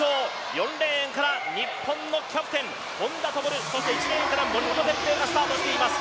４レーンから日本のキャプテン本多灯、そして１レーンから森本哲平がスタートしています。